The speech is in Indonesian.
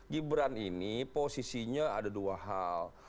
gibran ini posisinya ada dua hal